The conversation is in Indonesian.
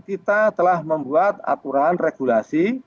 kita telah membuat aturan regulasi